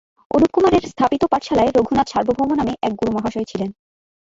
অনুপকুমারের স্থাপিত পাঠশালায় রঘুনাথ সার্বভৌম নামে এক গুরুমহাশয় ছিলেন।